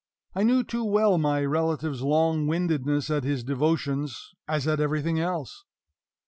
I knew too well my relative's long windedness at his devotions, as at everything else.